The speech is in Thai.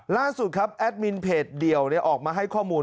ล่าสุดครับแอดมินเพจเดียวออกมาให้ข้อมูล